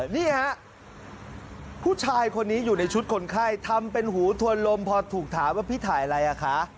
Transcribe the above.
นี่ฮะผู้ชายคนนี้อยู่ในชุดคนไข้ทำเป็นหูทวนลมพอถูกถามว่าพี่ถ่ายอะไรอ่ะคะ